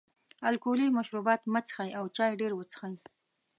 الکولي مشروبات مه څښئ او چای ډېر وڅښئ.